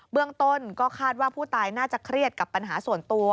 เรื่องต้นก็คาดว่าผู้ตายน่าจะเครียดกับปัญหาส่วนตัว